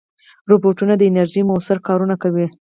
روبوټونه د انرژۍ مؤثره کارونه کوي.